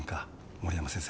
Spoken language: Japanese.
森山先生。